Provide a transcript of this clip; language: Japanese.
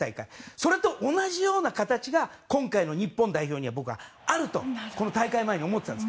それと同じような形が今回の日本代表には僕はあると大会前に思っていたんです。